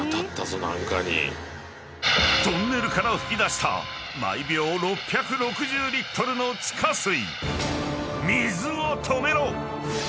［トンネルから噴き出した毎秒６６０リットルの地下水！］